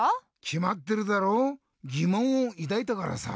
きまってるだろぎもんをいだいたからさ。